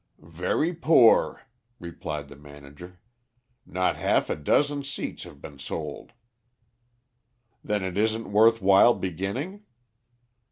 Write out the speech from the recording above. "Very poor," replied the manager. "Not half a dozen seats have been sold." "Then it isn't worth while beginning?"